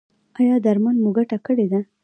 ایا درمل مو ګټه کړې ده؟